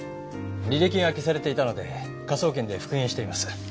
履歴が消されていたので科捜研で復元しています。